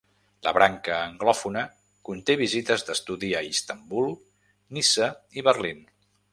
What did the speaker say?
La branca anglòfona conté visites d'estudi a Istanbul, Niça i Berlín.